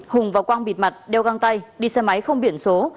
hùng và quang bịt mặt đeo găng tay đi xe máy không biển số